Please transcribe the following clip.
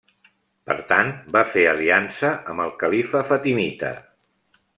Per tant va fer aliança amb el califa fatimita.